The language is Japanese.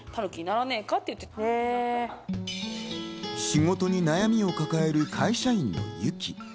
仕事に悩みを抱える会社員のゆき。